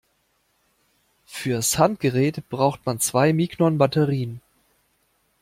Fürs Handgerät braucht man zwei Mignon-Batterien.